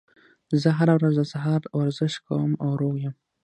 زه هره ورځ د سهار ورزش کوم او روغ یم